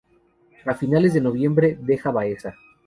A finales de noviembre, deja Baeza.